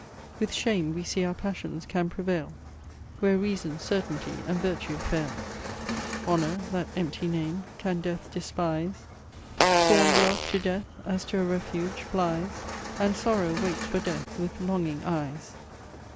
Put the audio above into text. With shame we see our PASSIONS can prevail, Where reason, certainty, and virtue fail. HONOUR, that empty name, can death despise; | SCORN'D LOVE to death, as to a refuge, flies; | And SORROW waits for death with longing eyes.